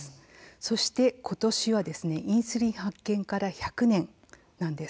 そしてことしはインスリン発見から１００年なんです。